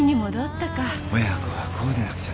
親子はこうでなくちゃな。